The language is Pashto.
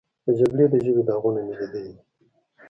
د جګړې د ژبې داغونه مې لیدلي دي.